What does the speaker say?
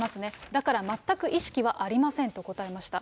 だから全く意識はありませんと答えました。